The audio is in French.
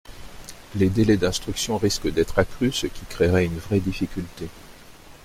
Les délais d’instruction risquent d’être accrus, ce qui créerait une vraie difficulté.